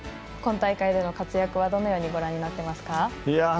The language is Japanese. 今大会での活躍はどのようにご覧になっていますか。